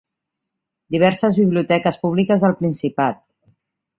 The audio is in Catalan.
Diverses biblioteques públiques del Principat.